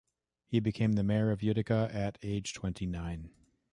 He became mayor of Utica at age twenty-nine.